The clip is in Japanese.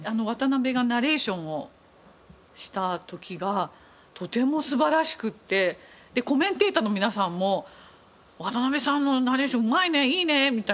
渡辺がナレーションをした時がとても素晴らしくってコメンテーターの皆さんも「渡辺さんのナレーションうまいねいいね」みたいな。